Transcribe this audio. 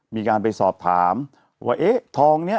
มีการไปสอบถามว่าเอ๊ะทองนี้